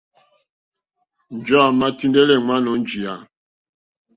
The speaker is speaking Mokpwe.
Njɔ̀ɔ́ àmà tíndɛ́lɛ́ èŋwánà ó njìyá.